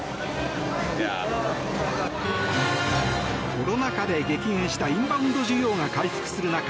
コロナ禍で激減したインバウンド需要が回復する中